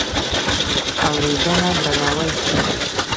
اورېدنه درناوی ښيي.